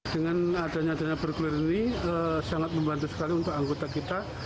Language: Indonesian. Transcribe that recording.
dengan adanya adanya bergulir ini sangat membantu sekali untuk anggota kita